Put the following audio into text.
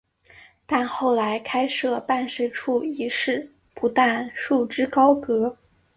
但后来开设办事处一事不但束之高阁。